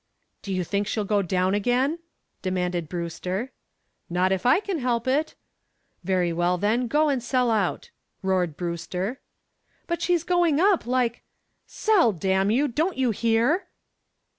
"Do you think she'll go down again?" demanded Brewster. "Not if I can help it." "Very well, then, go and sell out," roared Brewster. "But she's going up like " "Sell, damn you! Didn't you hear?"